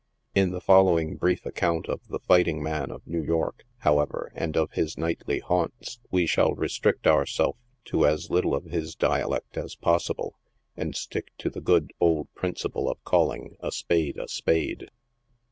In the fol lowing brief account of the fighting man of New York, however, and of his nightly haunts, we shall restrict ourself to as little of M3 dialect as possible, and stick to the good old principle of calling a spade a spade.